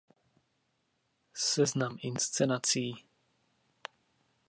Seznam inscenací.